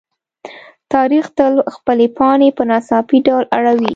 تاریخ تل خپلې پاڼې په ناڅاپي ډول اړوي.